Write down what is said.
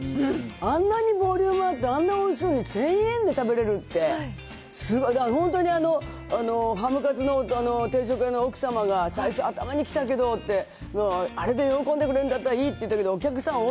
あんなにボリュームあって、あんなおいしいのに、１０００円で食べれるって、すごい、本当にハムカツの定食屋の奥様が、最初頭に来たけどって、あれで喜んでくれるんだったらいいって言ってたけど、お客さん大